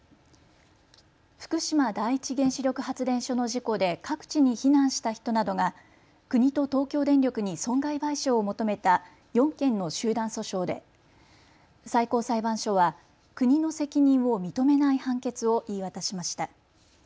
福島第一原子力発電所の事故で各地に避難した人などが国と東京電力に損害賠償を求めた４件の集団訴訟で最高裁判所は国の責任を認めない判決を言い渡しました。